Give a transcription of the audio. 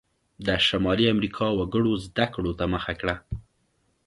د شمالي امریکا وګړو زده کړو ته مخه کړه.